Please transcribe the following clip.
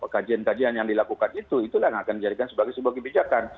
kajian kajian yang dilakukan itu itulah yang akan dijadikan sebagai sebuah kebijakan